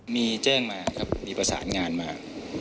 มีแจ้งมาครับมีประสานงานมา